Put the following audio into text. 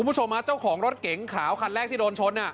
คุณผู้ชมเจ้าของรถเก๋งขาวคันแรกที่โดนชน